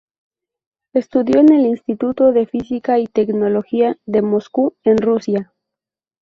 Estudió en el Instituto de Física y Tecnología de Moscú en Rusia.